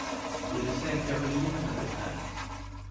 Vill du sänka volymen, är du snäll?